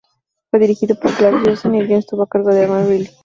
Fue dirigido por Clark Johnson y el guion estuvo a cargo de Evan Reilly.